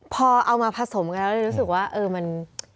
พอเอามาผสมกันแล้วเลยรู้สึกว่าเออมัน